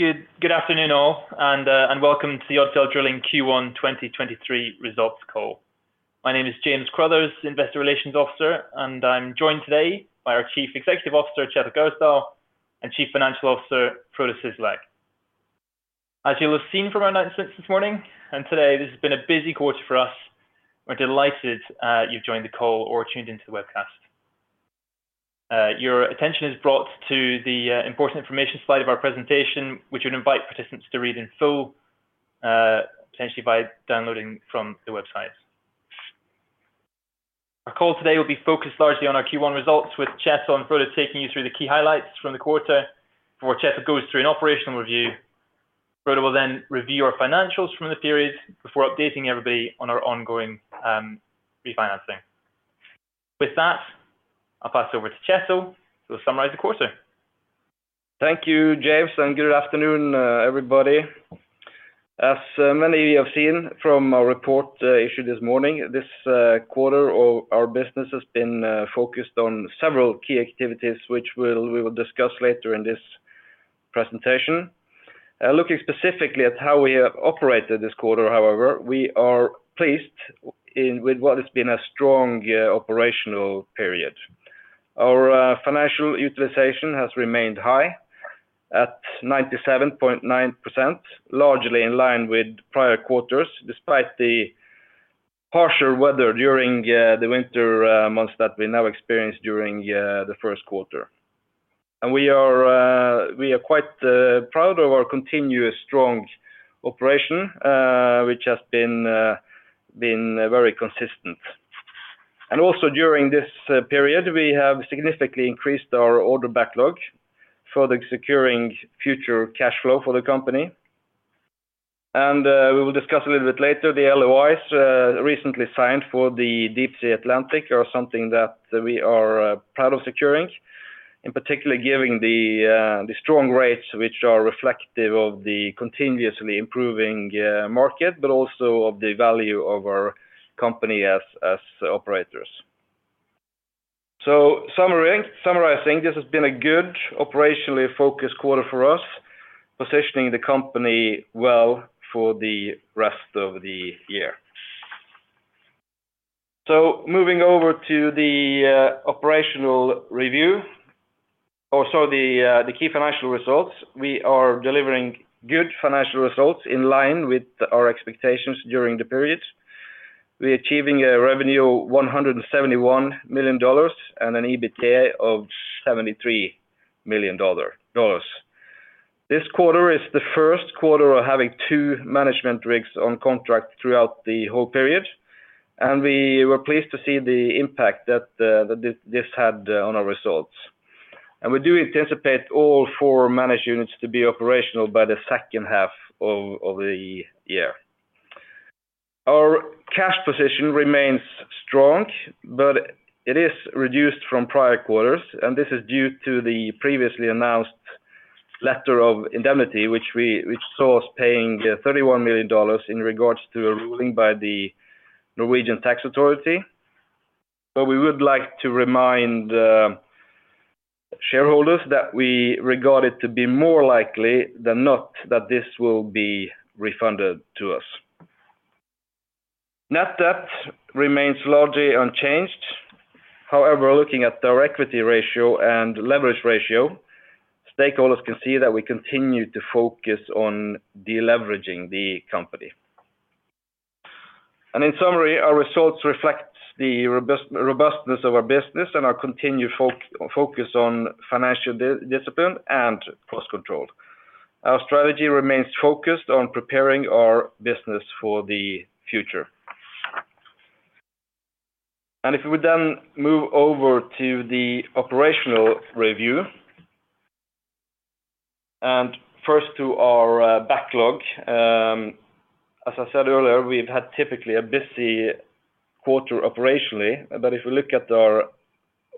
Good afternoon all and welcome to the Odfjell Drilling Q1 2023 results call. My name is James Crothers, investor relations officer, and I'm joined today by our Chief Executive Officer, Kjetil Gjersdal, and Chief Financial Officer, Frode Syslak. As you'll have seen from our announcements this morning and today, this has been a busy quarter for us. We're delighted you've joined the call or tuned into the webcast. Your attention is brought to the important information slide of our presentation, which we invite participants to read in full, potentially by downloading from the website. Our call today will be focused largely on our Q1 results with Kjetil and Frode taking you through the key highlights from the quarter. Before Kjetil goes through an operational review, Frode will then review our financials from the period before updating everybody on our ongoing refinancing. With that, I'll pass over to Kjetil to summarize the quarter. Thank you, James. Good afternoon, everybody. As many of you have seen from our report issued this morning, this quarter of our business has been focused on several key activities which we will discuss later in this presentation. Looking specifically at how we have operated this quarter however, we are pleased with what has been a strong operational period. Our financial utilization has remained high at 97.9%, largely in line with prior quarters, despite the harsher weather during the winter months that we now experience during the first quarter. We are quite proud of our continuous strong operation which has been very consistent. Also during this period, we have significantly increased our order backlog for the securing future cash flow for the company. We will discuss a little bit later the LOIs recently signed for the Deepsea Atlantic are something that we are proud of securing. In particular, giving the strong rates which are reflective of the continuously improving market, but also of the value of our company as operators. Summarizing, this has been a good operationally focused quarter for us, positioning the company well for the rest of the year. Moving over to the operational review, also the key financial results. We are delivering good financial results in line with our expectations during the period. We are achieving a revenue $171 million and an EBITDA of $73 million. This quarter is the first quarter of having two management rigs on contract throughout the whole period. We were pleased to see the impact that this had on our results. We do anticipate all four managed units to be operational by the second half of the year. Our cash position remains strong. It is reduced from prior quarters. This is due to the previously announced Letter of Indemnity, which saw us paying $31 million in regards to a ruling by the Norwegian Tax Administration. We would like to remind shareholders that we regard it to be more likely than not that this will be refunded to us. Net debt remains largely unchanged. However, looking at direct equity ratio and leverage ratio, stakeholders can see that we continue to focus on deleveraging the company. In summary, our results reflects the robustness of our business and our continued focus on financial discipline and cost control. Our strategy remains focused on preparing our business for the future. If we would then move over to the operational review. First to our backlog. As I said earlier, we've had typically a busy quarter operationally, but if you look at our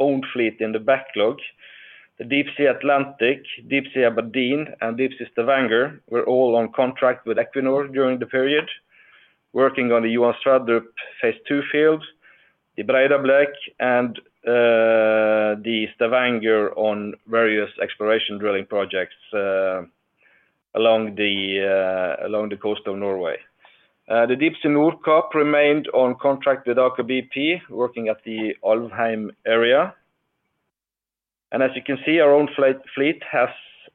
own fleet in the backlog, the Deepsea Atlantic, Deepsea Aberdeen, and Deepsea Stavanger were all on contract with Equinor during the period, working on the Johan Sverdrup Phase 2 fields, the Breidablik and the Stavanger on various exploration drilling projects along the coast of Norway. The Deepsea Nordkapp remained on contract with Aker BP, working at the Alvheim area. As you can see, our own fleet has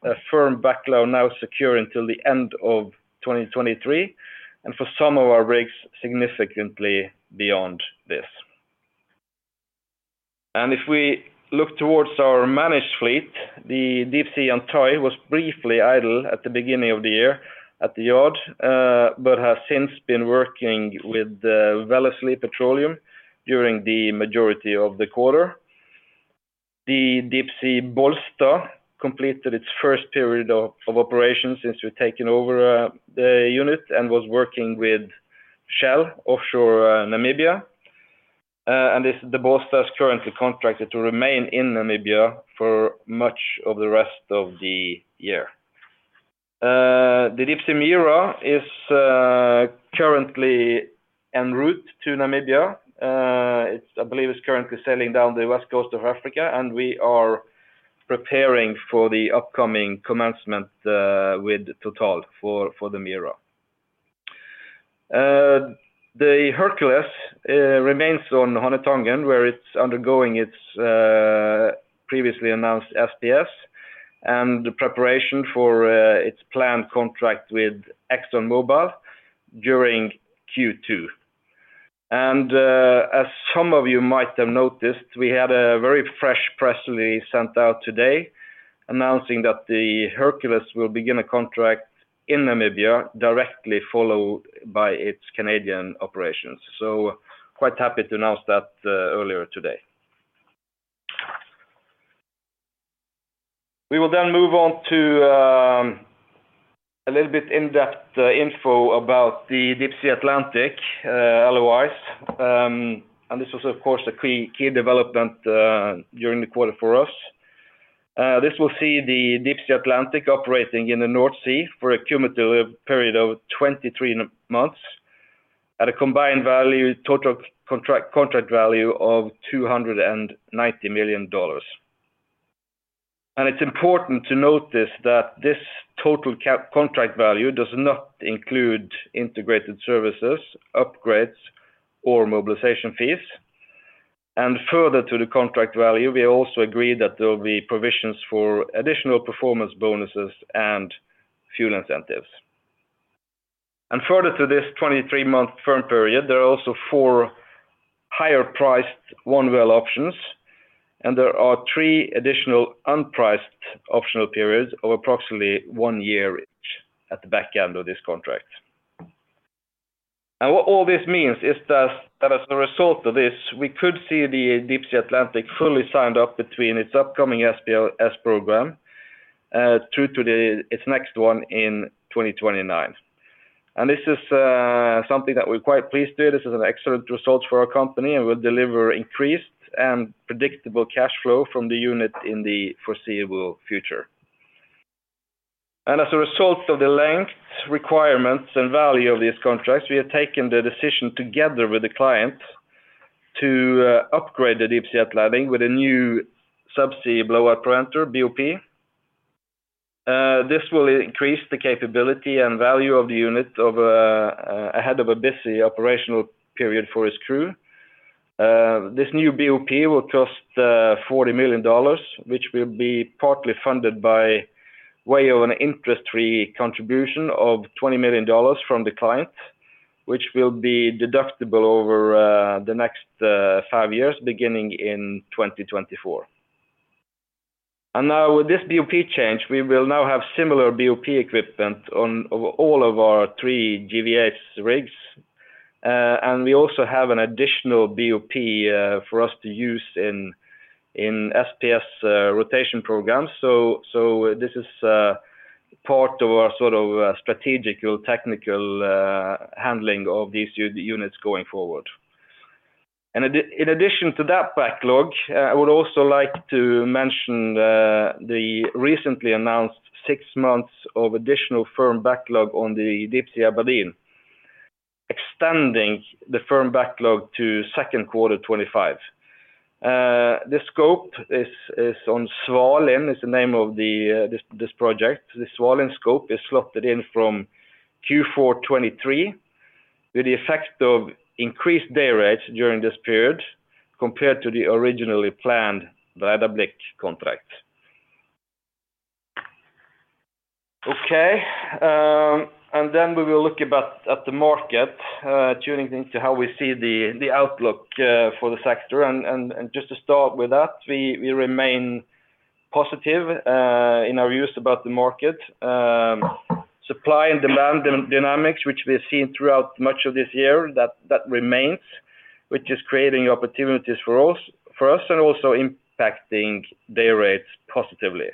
a firm backlog now secure until the end of 2023, and for some of our rigs, significantly beyond this. If we look towards our managed fleet, the Deepsea Antares was briefly idle at the beginning of the year at the yard, but has since been working with Vår Energi during the majority of the quarter. The Deepsea Bollsta completed its first period of operation since we've taken over the unit and was working with Shell offshore Namibia. The Deepsea Bollsta is currently contracted to remain in Namibia for much of the rest of the year. The Deepsea Mira is currently en route to Namibia. I believe it's currently sailing down the west coast of Africa. We are preparing for the upcoming commencement with TotalEnergies for the Mira. The Hercules remains on Hanøytangen, where it's undergoing its previously announced SPS and the preparation for its planned contract with ExxonMobil during Q2. As some of you might have noticed, we had a very fresh press release sent out today announcing that the Hercules will begin a contract in Namibia directly followed by its Canadian operations. Quite happy to announce that earlier today. We will move on to a little bit in-depth info about the Deepsea Atlantic LOIs. This was of course, a key development during the quarter for us. This will see the Deepsea Atlantic operating in the North Sea for a cumulative period of 23 months at a combined value, total contract value of $290 million. It's important to note this, that this total contract value does not include integrated services, upgrades, or mobilization fees. Further to the contract value, we also agreed that there will be provisions for additional performance bonuses and fuel incentives. Further to this 23 month firm period, there are also four higher priced one well options, and there are three additional unpriced optional periods of approximately one year each at the back end of this contract. What all this means is that as a result of this, we could see the Deepsea Atlantic fully signed up between its upcoming SPS program through to its next one in 2029. This is something that we're quite pleased with. This is an excellent result for our company, and will deliver increased and predictable cash flow from the unit in the foreseeable future. As a result of the length, requirements, and value of this contract, we have taken the decision together with the client to upgrade the Deepsea Atlantic with a new subsea blowout preventer, BOP. This will increase the capability and value of the unit over ahead of a busy operational period for its crew. This new BOP will cost $40 million, which will be partly funded by way of an interest-free contribution of $20 million from the client, which will be deductible over the next five years, beginning in 2024. Now with this BOP change, we will now have similar BOP equipment on all of our three GVA rigs. And we also have an additional BOP for us to use in SPS rotation programs. This is part of our sort of strategical technical handling of these units going forward. In addition to that backlog, I would also like to mention the recently announced six months of additional firm backlog on the Deepsea Aberdeen, extending the firm backlog to second quarter 2025. The scope is on Svalin, is the name of this project. The Svalin scope is slotted in from Q4 2023, with the effect of increased day rates during this period compared to the originally planned Breidablik contract. Okay. Then we will look about at the market, tuning into how we see the outlook for the sector. Just to start with that, we remain positive in our views about the market. Supply and demand dynamics, which we have seen throughout much of this year, that remains, which is creating opportunities for us and also impacting day rates positively.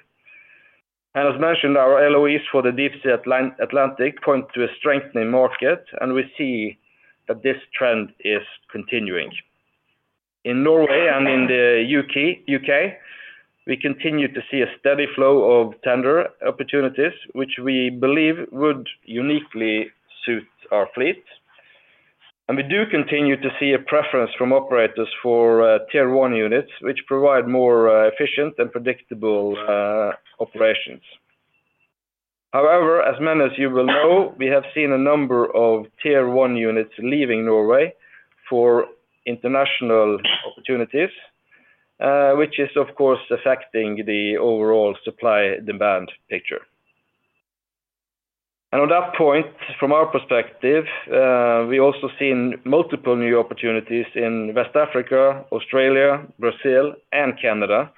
As mentioned, our LOIs for the Deepsea Atlantic point to a strengthening market, and we see that this trend is continuing. In Norway and in the U.K., we continue to see a steady flow of tender opportunities, which we believe would uniquely suit our fleet. We do continue to see a preference from operators for Tier 1 units, which provide more efficient and predictable operations. However, as many as you will know, we have seen a number of Tier 1 units leaving Norway for international opportunities, which is of course affecting the overall supply demand picture. On that point, from our perspective, we also seen multiple new opportunities in West Africa, Australia, Brazil, and Canada.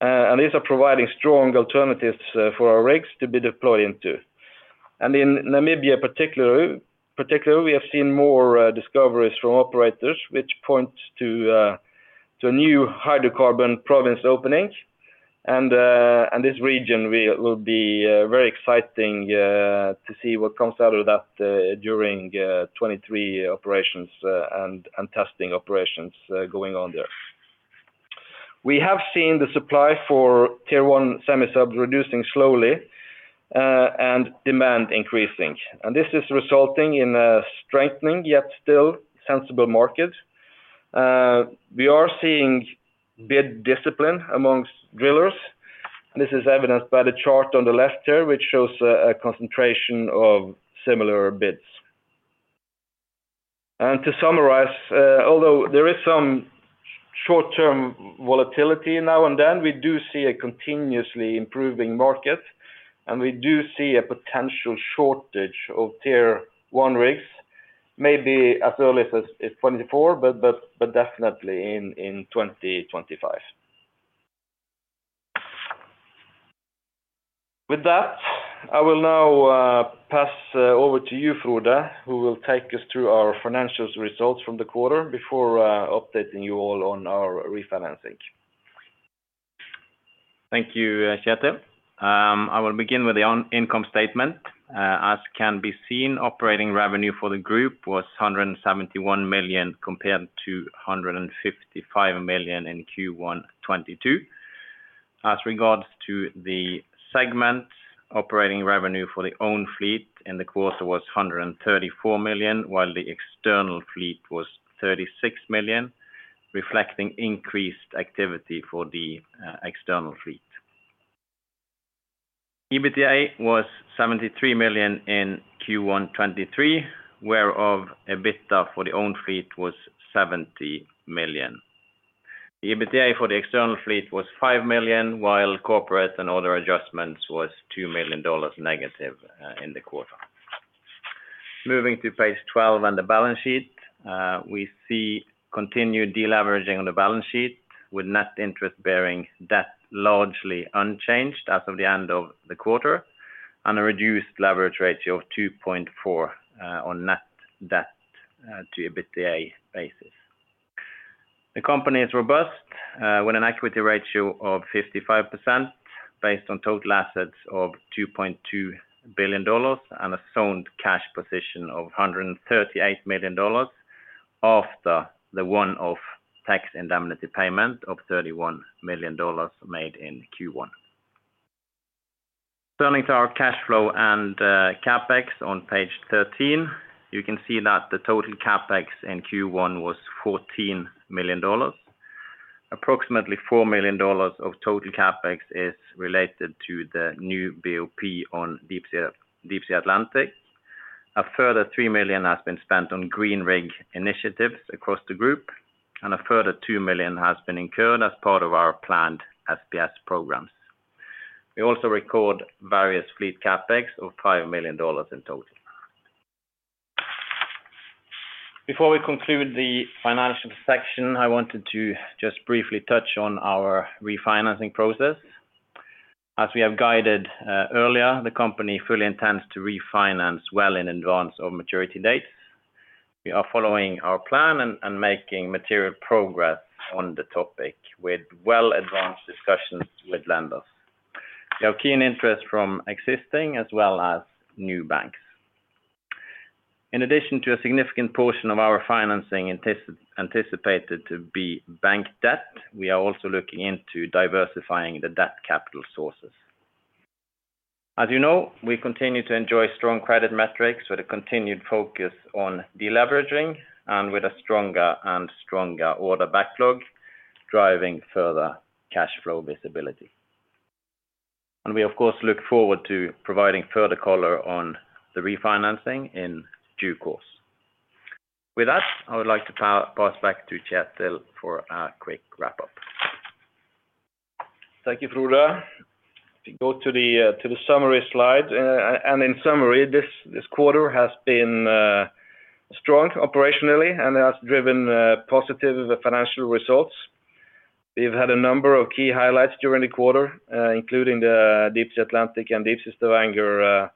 These are providing strong alternatives for our rigs to be deployed into. In Namibia, particularly, we have seen more discoveries from operators which point to new hydrocarbon province openings. This region will be very exciting to see what comes out of that during 23 operations and testing operations going on there. We have seen the supply for Tier 1 semi-subs reducing slowly and demand increasing. This is resulting in a strengthening, yet still sensible market. We are seeing bid discipline amongst drillers. This is evidenced by the chart on the left here, which shows a concentration of similar bids. To summarize, although there is some short-term volatility now and then, we do see a continuously improving market, and we do see a potential shortage of Tier 1 rigs, maybe as early as 2024, but definitely in 2025. With that, I will now pass over to you, Frode, who will take us through our financials results from the quarter before updating you all on our refinancing. Thank you, Kjetil. I will begin with the earn income statement. As can be seen, operating revenue for the group was $171 million compared to $155 million in Q1 2022. As regards to the segment, operating revenue for the own fleet in the quarter was $134 million, while the external fleet was $36 million, reflecting increased activity for the external fleet. EBITDA was $73 million in Q1 2023, whereof EBITDA for the own fleet was $70 million. The EBITDA for the external fleet was $5 million, while corporate and other adjustments was $2 million negative in the quarter. Moving to page 12 on the balance sheet, we see continued deleveraging on the balance sheet with net interest bearing debt largely unchanged as of the end of the quarter, and a reduced leverage ratio of 2.4 on net debt to EBITDA basis. The company is robust with an equity ratio of 55% based on total assets of $2.2 billion and a sound cash position of $138 million after the one-off tax indemnity payment of $31 million made in Q1. Turning to our cash flow and CapEx on page 13, you can see that the total CapEx in Q1 was $14 million. Approximately $4 million of total CapEx is related to the new BOP on Deepsea Atlantic. A further $3 million has been spent on Green Rig initiatives across the group. A further $2 million has been incurred as part of our planned SPS programs. We also record various fleet CapEx of $5 million in total. Before we conclude the financial section, I wanted to just briefly touch on our refinancing process. As we have guided earlier, the company fully intends to refinance well in advance of maturity dates. We are following our plan and making material progress on the topic with well-advanced discussions with lenders. We have keen interest from existing as well as new banks. In addition to a significant portion of our financing anticipated to be bank debt, we are also looking into diversifying the debt capital sources. As you know, we continue to enjoy strong credit metrics with a continued focus on deleveraging and with a stronger and stronger order backlog, driving further cash flow visibility. We of course look forward to providing further color on the refinancing in due course. With that, I would like to pass back to Kjetil for a quick wrap-up. Thank you, Frode. To go to the summary slide. In summary, this quarter has been strong operationally and has driven positive financial results. We've had a number of key highlights during the quarter, including the Deepsea Atlantic and Deepsea Stavanger,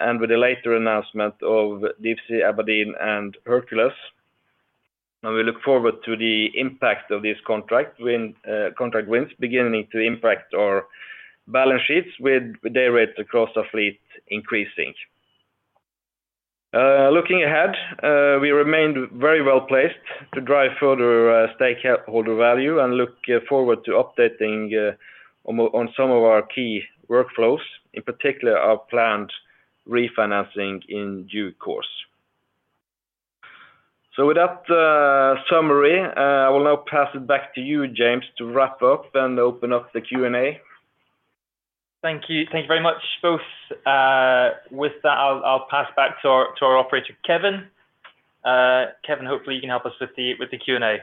and with the later announcement of Deepsea Aberdeen and Hercules. We look forward to the impact of this contract win, contract wins beginning to impact our balance sheets with dayrate across our fleet increasing. Looking ahead, we remain very well-placed to drive further stakeholder value and look forward to updating on some of our key workflows, in particular our planned refinancing in due course. With that summary, I will now pass it back to you, James, to wrap up and open up the Q&A. Thank you. Thank you very much, both. With that, I'll pass back to our operator, Kevin. Kevin, hopefully, you can help us with the Q&A.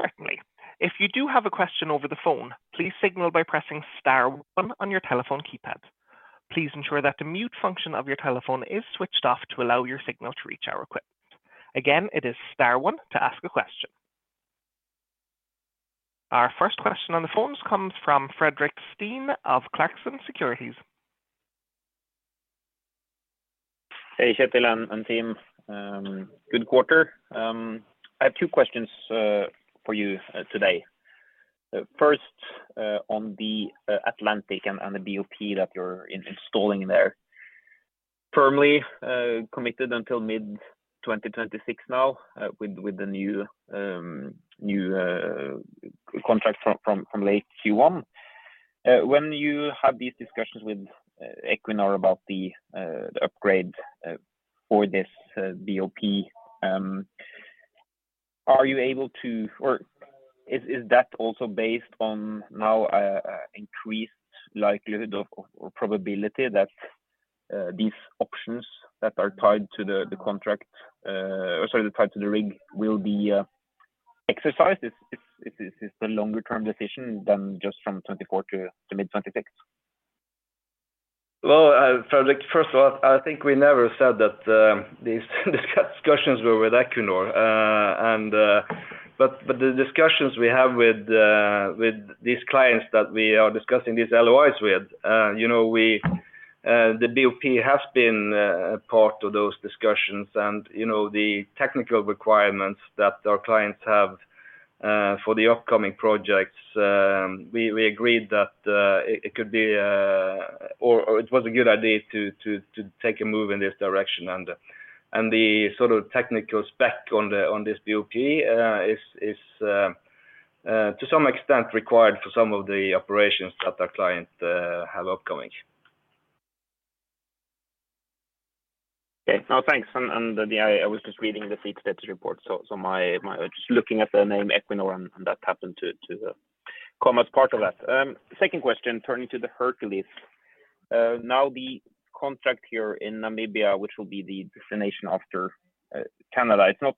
Certainly. If you do have a question over the phone, please signal by pressing star one on your telephone keypad. Please ensure that the mute function of your telephone is switched off to allow your signal to reach our equipment. Again, it is star one to ask a question. Our first question on the phones comes from Fredrik Stene of Clarksons Securities. Hey, Kjetil and team. Good quarter. I have 2 questions for you today. First, on the Atlantic and the BOP that you're installing there. Firmly committed until mid 2026 now with the new contract from late Q1. When you had these discussions with Equinor about the upgrade for this BOP, is that also based on now increased likelihood of or probability that these options that are tied to the contract, or sorry, tied to the rig will be exercised if it's a longer-term decision than just from 2024 to mid 2026? Well, Fredrik, first of all, I think we never said that these discussions were with Equinor. But the discussions we have with with these clients that we are discussing these LOIs with, you know, we the BOP has been a part of those discussions. You know, the technical requirements that our clients have for the upcoming projects, we agreed that it could be or it was a good idea to take a move in this direction. The sort of technical spec on the on this BOP is to some extent required for some of the operations that our client have upcoming. Okay. No, thanks. Yeah, I was just reading the fleet status report. Just looking at the name Equinor and that happened to come as part of that. Second question, turning to the Hercules. The contract here in Namibia, which will be the destination after Canada, it's not,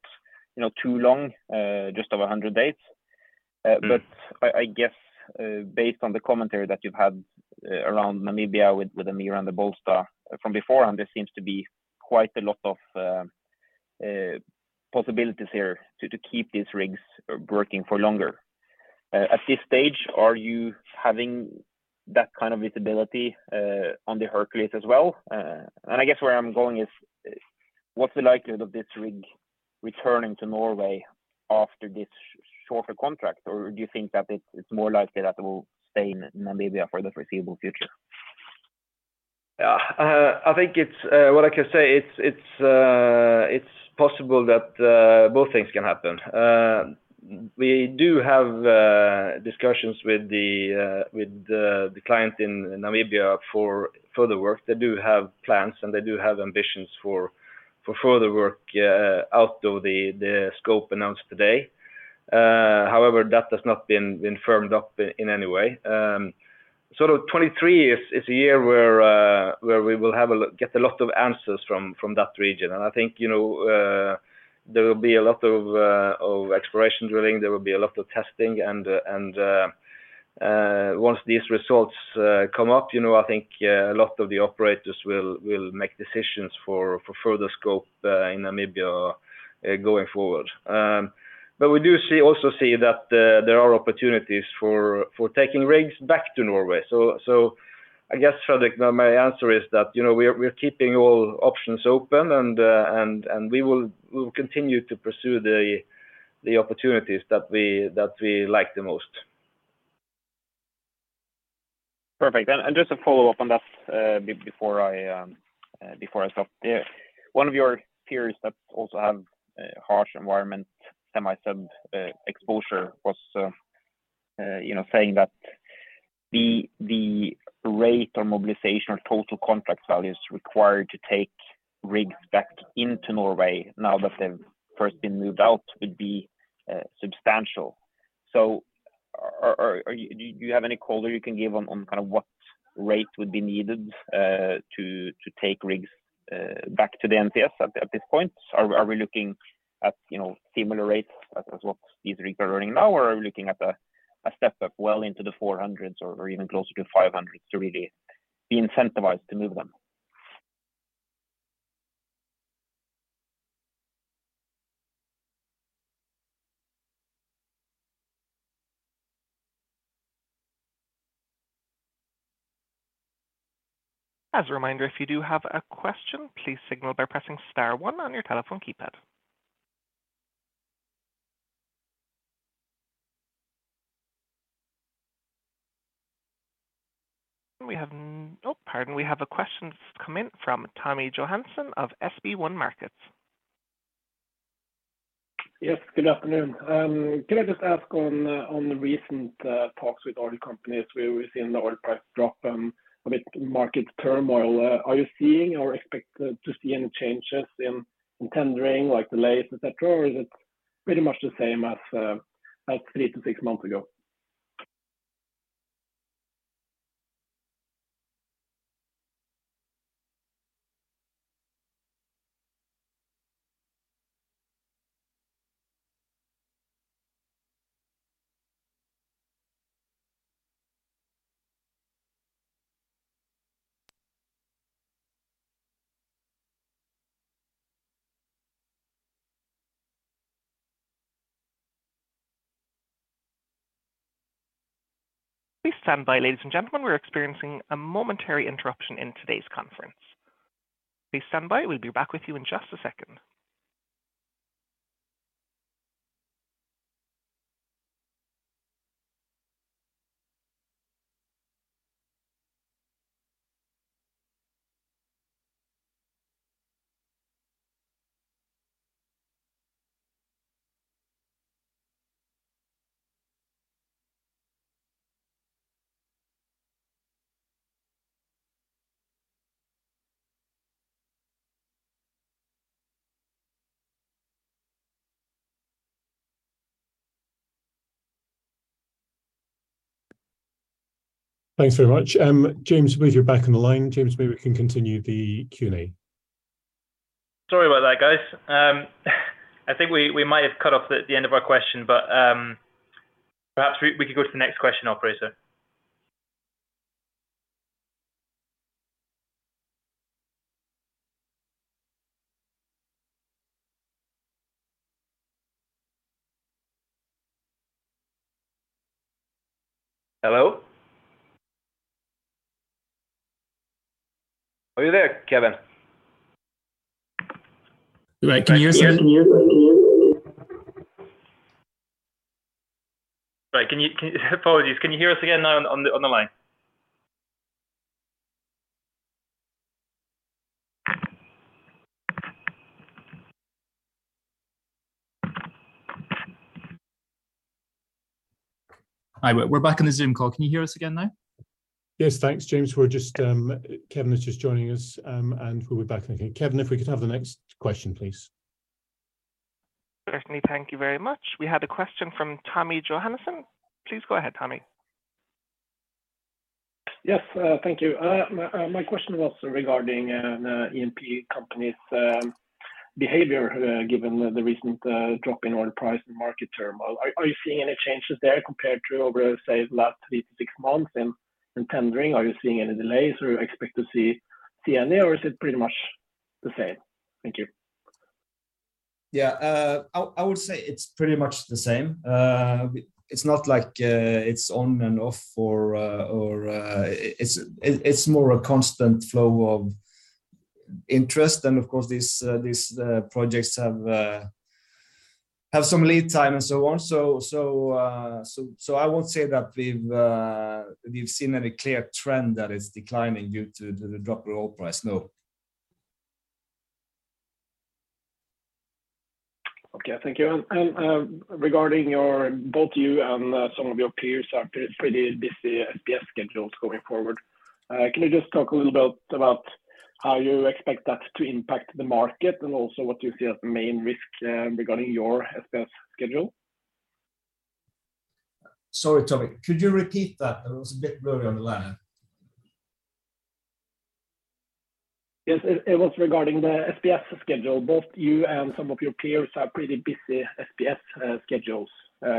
you know, too long, just over 100 days. Mm. The commentary that you've had around Namibia with the Deepsea Mira and the Deepsea Bollsta from beforehand, there seems to be quite a lot of possibilities here to keep these rigs working for longer. At this stage, are you having that kind of visibility on the Hercules as well? I guess where I'm going is what's the likelihood of this rig returning to Norway after this shorter contract? Or do you think that it's more likely that it will stay in Namibia for the foreseeable future? Yeah. I think it's what I can say it's it's possible that both things can happen. We do have discussions with the client in Namibia for further work. They do have plans, and they do have ambitions for further work out of the scope announced today. However, that has not been firmed up in any way. Sort of 23 is a year where we will get a lot of answers from that region. I think, you know, there will be a lot of exploration drilling. There will be a lot of testing and once these results come up, you know, I think a lot of the operators will make decisions for further scope in Namibia going forward. We do see, also see that there are opportunities for taking rigs back to Norway. I guess, Fredrik, now my answer is that, you know, we're keeping all options open and we will continue to pursue the opportunities that we like the most. Perfect. Just a follow-up on that, before I stop there. One of your peers that also have harsh environment semi-sub exposure was, you know, saying that the rate or mobilization or total contract value is required to take rigs back into Norway now that they've first been moved out would be substantial. Do you have any call that you can give on kind of what rate would be needed to take rigs back to the MTS at this point? Are we looking at, you know, similar rates as what these rigs are earning now? Or are we looking at a step up well into the 400s or even closer to 500s to really be incentivized to move them? As a reminder, if you do have a question, please signal by pressing star one on your telephone keypad. Oh, pardon. We have a question come in from Tommy Johansen of SB1 Markets. Yes, good afternoon. Can I just ask on the recent talks with oil companies where we've seen the oil price drop, a bit market turmoil, are you seeing or expect to see any changes in tendering, like delays, et cetera, or is it pretty much the same as three to six months ago? Please stand by, ladies and gentlemen. We're experiencing a momentary interruption in today's conference. Please stand by. We'll be back with you in just a second. Thanks very much. James, believe you're back on the line. James, maybe we can continue the Q&A. Sorry about that, guys. I think we might have cut off at the end of our question, but perhaps we could go to the next question operator. Hello? Are you there, Kevin? Right. Can you hear us again? Right. Can you Apologies. Can you hear us again now on the, on the line? Hi. We're back on the Zoom call. Can you hear us again now? Yes. Thanks, James. We're just, Kevin is just joining us, and we'll be back in a minute. Kevin, if we could have the next question, please. Certainly. Thank you very much. We had a question from Tommy Johansen. Please go ahead, Tommy. Yes. Thank you. My question was regarding an E&P company's behavior given the recent drop in oil price and market turmoil. Are you seeing any changes there compared to over, say, the last 3-6 months in tendering? Are you seeing any delays or expect to see any, or is it pretty much the same? Thank you. Yeah. I would say it's pretty much the same. It's not like it's on and off or... It's more a constant flow of interest. Of course, these projects have some lead time and so on. I won't say that we've seen any clear trend that is declining due to the drop in oil price. No. Okay. Thank you. Regarding both you and some of your peers have pretty busy SPS schedules going forward, can you just talk a little bit about how you expect that to impact the market, and also what you see as the main risk, regarding your SPS schedule? Sorry, Tommy. Could you repeat that? It was a bit blurry on the line. Yes. It was regarding the SPS schedule. Both you and some of your peers have pretty busy SPS schedules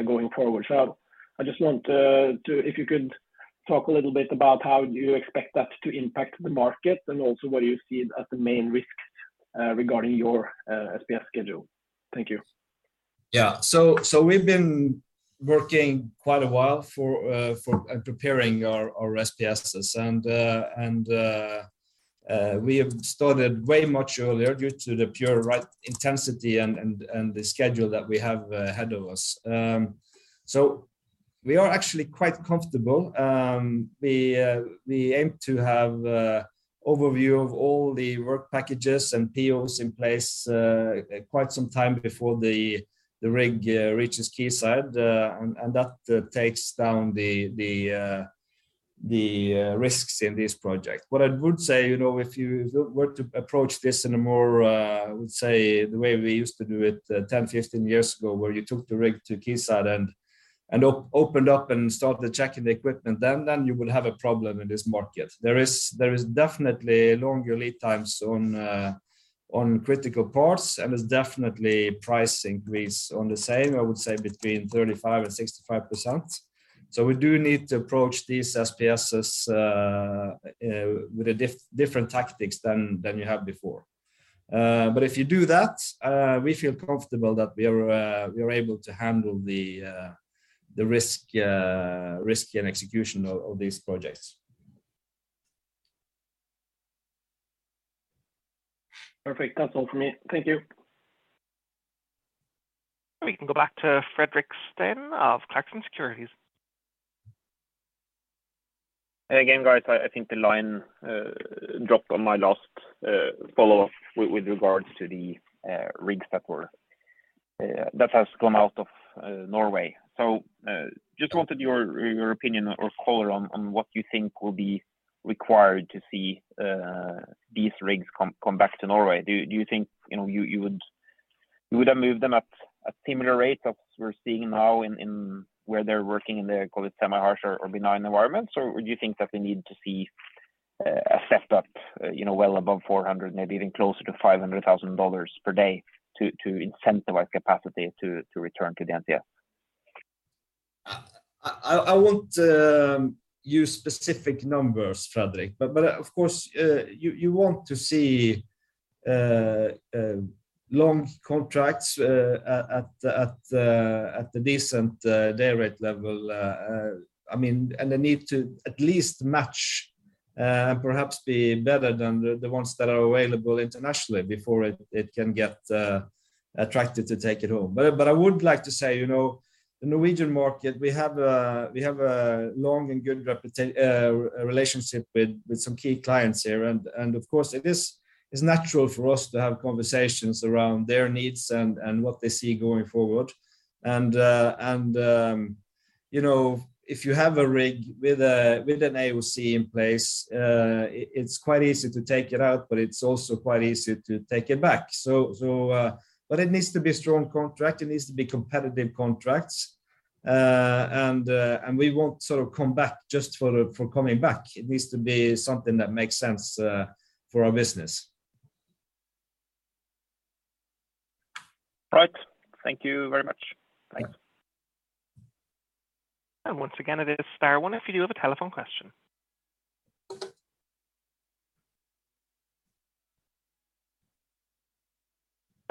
going forward. If you could talk a little bit about how you expect that to impact the market, and also what you see as the main risk regarding your SPS schedule. Thank you. Yeah. We've been working quite a while for preparing our SPSs. We have started way much earlier due to the pure right intensity and the schedule that we have ahead of us. We are actually quite comfortable. We aim to have overview of all the work packages and POs in place quite some time before the rig reaches quayside. That takes down the risks in this project. What I would say, you know, if you were to approach this in a more, I would say the way we used to do it, 10, 15 years ago, where you took the rig to quayside and opened up and started checking the equipment, then you will have a problem in this market. There is definitely longer lead times on critical parts, and there's definitely price increase on the same, I would say between 35% and 65%. We do need to approach these SPSs with a different tactics than you have before. If you do that, we feel comfortable that we are able to handle the risk and execution of these projects. Perfect. That's all from me. Thank you. We can go back to Fredrik Stene of Clarksons Securities. Again, guys, I think the line dropped on my last follow-up with regards to the rigs that were that has gone out of Norway. Just wanted your opinion or color on what you think will be required to see these rigs come back to Norway. Do you think, you know, you would have moved them at a similar rate as we're seeing now in where they're working in the, call it, semi-harsh or benign environments? Or do you think that they need to see a step up, you know, well above $400,000, maybe even closer to $500,000 per day to incentivize capacity to return to the NCS? I won't use specific numbers, Fredrik, but of course, you want to see long contracts at a decent day rate level. I mean, they need to at least match, perhaps be better than the ones that are available internationally before it can get attracted to take it home. I would like to say, you know, the Norwegian market, we have a long and good relationship with some key clients here and of course it is, it's natural for us to have conversations around their needs and what they see going forward. You know, if you have a rig with an AOC in place, it's quite easy to take it out, but it's also quite easy to take it back. But it needs to be a strong contract, it needs to be competitive contracts. We won't sort of come back just for coming back. It needs to be something that makes sense, for our business. Right. Thank you very much. Thanks. Once again, it is star one if you do have a telephone question.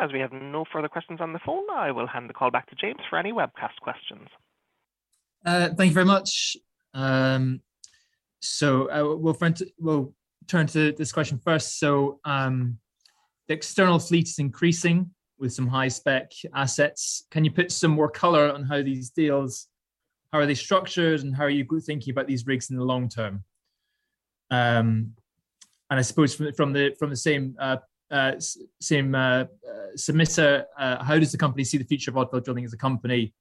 As we have no further questions on the phone, I will hand the call back to James for any webcast questions. Thank you very much. We'll turn to this question first. The external fleet is increasing with some high spec assets. Can you put some more color on how these deals, how are they structured, and how are you thinking about these rigs in the long term? I suppose from the same submitter, how does the company see the future of offshore drilling as a company?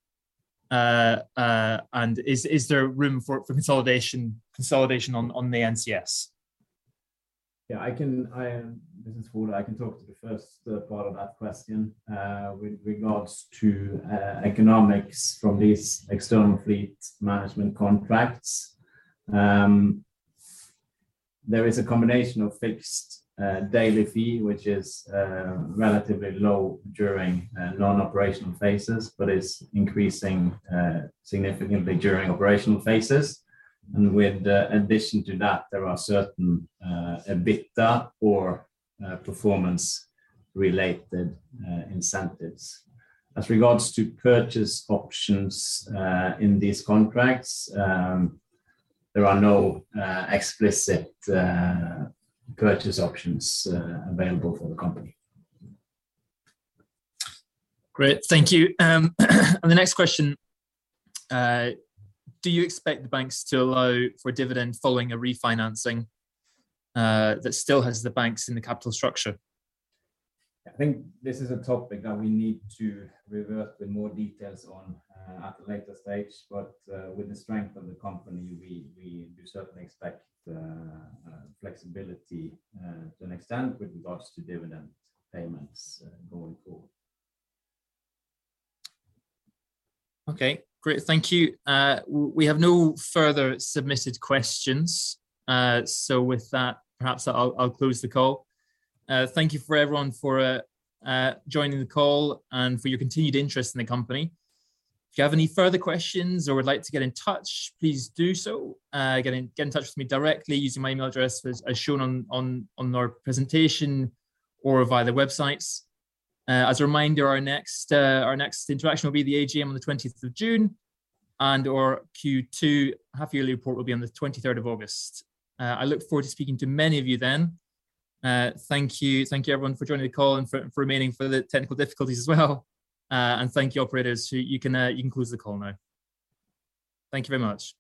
Is there room for consolidation on the NCS? Yeah, this is Ole. I can talk to the first part of that question. With regards to economics from these external fleet management contracts, there is a combination of fixed daily fee, which is relatively low during non-operational phases, but it's increasing significantly during operational phases. With addition to that, there are certain EBITDA or performance related incentives. As regards to purchase options in these contracts, there are no explicit purchase options available for the company. Great. Thank you. The next question, do you expect the banks to allow for a dividend following a refinancing that still has the banks in the capital structure? I think this is a topic that we need to revert with more details on, at a later stage. With the strength of the company, we do certainly expect, flexibility, to an extent with regards to dividend payments, going forward. Okay, great. Thank you. We have no further submitted questions. So with that, perhaps I'll close the call. Thank you for everyone for joining the call and for your continued interest in the company. If you have any further questions or would like to get in touch, please do so. Get in touch with me directly using my email address as shown on our presentation or via the websites. As a reminder, our next interaction will be the AGM on the 20th of June, and our Q2 half yearly report will be on the 23rd of August. I look forward to speaking to many of you then. Thank you. Thank you everyone for joining the call and for remaining for the technical difficulties as well. Thank you operators. You can close the call now. Thank you very much.